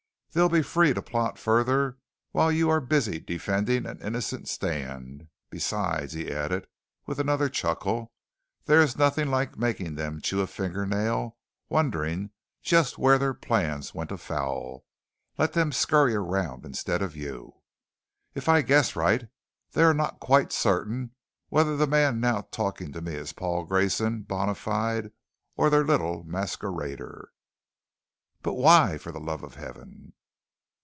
They'll be free to plot further while you are busy defending an innocent stand. Besides," he added with another chuckle, "there is nothing like making them chew a fingernail, wondering just where their plans went afoul. Let them scurry around instead of you. If I guess right, they are not quite certain whether the man now talking to me is Paul Grayson, bona fide, or their little masquerader." "But why, for the Love of Heaven?"